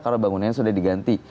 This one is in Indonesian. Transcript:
kalau bangunan sudah diganti